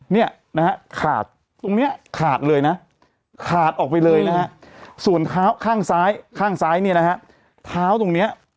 เนี่ยนะฮะขาดตรงนี้ขาดเลยนะขาดออกไปเลยนะฮะส่วนเท้าข้างซ้ายข้างซ้ายเนี่ยนะฮะเท้าตรงเนี้ย